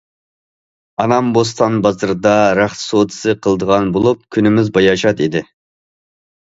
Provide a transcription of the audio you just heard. ئانام بوستان بازىرىدا رەخت سودىسى قىلىدىغان بولۇپ، كۈنىمىز باياشات ئىدى.